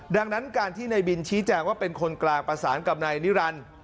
ดังนั้นการที่ในบินชี้แจงว่าเป็นคนกลางประสานกับนายนิรันดิ์